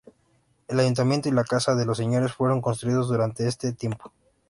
El ayuntamiento y la casa de los señores 'fueron construidos durante este tiempo.